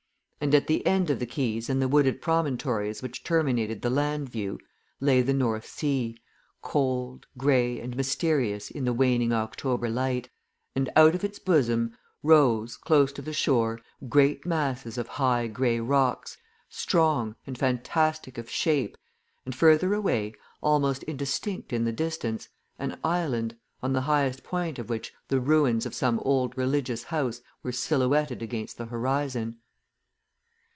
And at the end of the quays and the wooded promontories which terminated the land view, lay the North Sea, cold, grey, and mysterious in the waning October light, and out of its bosom rose, close to the shore, great masses of high grey rocks, strong and fantastic of shape, and further away, almost indistinct in the distance, an island, on the highest point of which the ruins of some old religious house were silhouetted against the horizon.